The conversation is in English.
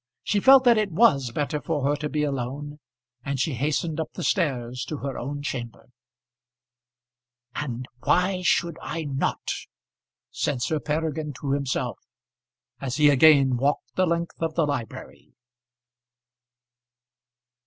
She felt that it was better for her to be alone, and she hastened up the stairs to her own chamber. "And why should I not?" said Sir Peregrine to himself, as he again walked the length of the library.